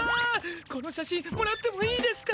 この写真もらってもいいですか？